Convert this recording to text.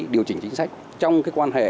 điều chỉnh chính sách trong cái quan hệ